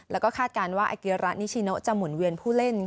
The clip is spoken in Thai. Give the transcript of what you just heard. แล้วก็คาดการณ์ว่าอาเกียระนิชิโนจะหมุนเวียนผู้เล่น